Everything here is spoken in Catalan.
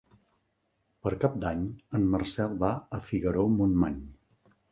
Per Cap d'Any en Marcel va a Figaró-Montmany.